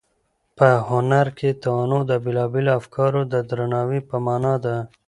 په هنر کې تنوع د بېلابېلو افکارو د درناوي په مانا ده.